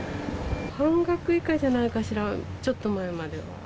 半額以下じゃないかしら、ちょっと前までは。